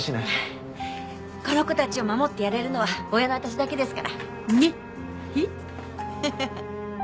この子たちを守ってやれるのは親の私だけですから